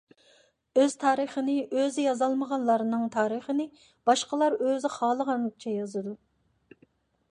ئۆز تارىخىنى ئۆزى يازالمىغانلارنىڭ تارىخىنى باشقىلار ئۆزى خالىغانچە يازىدۇ.